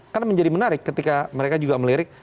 karena menjadi menarik ketika mereka juga melirik